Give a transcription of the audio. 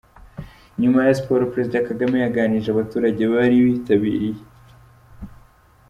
Nyuma ya Siporo Perezida Kagame yaganirije abaturage bari bitabiriye.